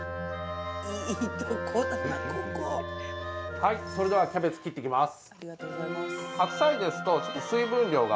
はい、それではキャベツ切っていきます。